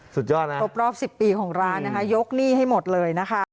สุดยอดนะครบรอบ๑๐ปีของร้านนะคะยกหนี้ให้หมดเลยนะคะ